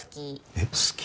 えっ好き？